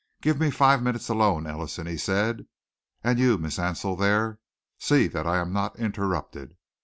"Give me five minutes alone, Ellison," he said, "you and Miss Ansell there. See that I am not interrupted."